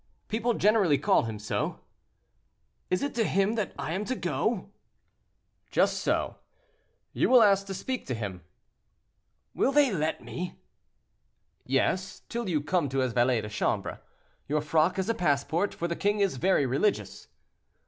"People generally call him so." "Is it to him that I am to go?" "Just so. You will ask to speak to him." "Will they let me?" "Yes, till you come to his valet de chambre. Your frock is a passport, for the king is very religious."